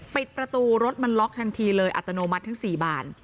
ปิดประตูรถมันล็อกทันทีเลยอัตโนมัติทั้ง๔บาน